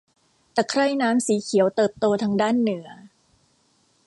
ตะไคร่น้ำสีเขียวเติบโตทางด้านเหนือ